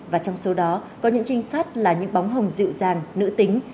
và trong số đó có những trinh sát là những bóng hồng dịu dàng nữ tính